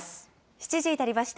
７時になりました。